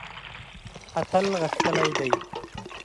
اتل غښتلی دی.